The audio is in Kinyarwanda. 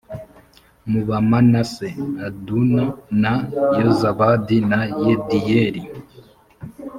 mu bamanase aduna na yozabadi na yediyeli